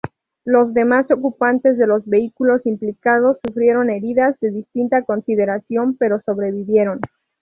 Los demás ocupantes de los vehículos implicados sufrieron heridas de distinta consideración pero sobrevivieron.